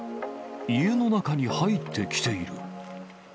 家の中に入ってきている。